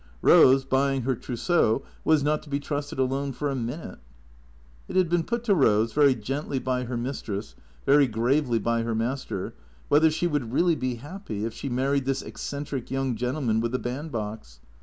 Eose, buying her trous seau, was not to be trusted alone for a minute. It had been put to Eose, very gently by her mistress, very gravely by her master, whether she would really be happy if she married this eccentric 3'oung gentleman with the band box.